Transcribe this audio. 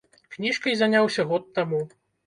Кніжкай заняўся год таму.